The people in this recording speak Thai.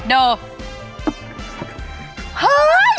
ดู